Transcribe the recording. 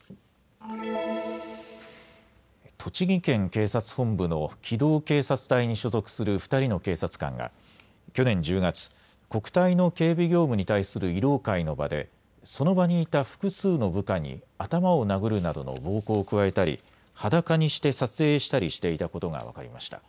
栃木県警察本部の機動警察隊に所属する２人の警察官が去年１０月、国体の警備業務に対する慰労会の場でその場にいた複数の部下に頭を殴るなどの暴行を加えたり裸にして撮影したりしていたことが分かりました。